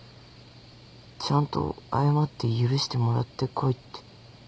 ちゃんと謝って許してもらってこいって。